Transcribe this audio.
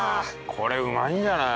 これうまいんじゃない？